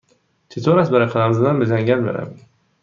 چطور است برای قدم زدن به جنگل برویم؟